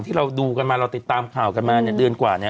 ที่เราดูกันมาเราติดตามข่าวกันมาเนี่ยเดือนกว่าเนี่ย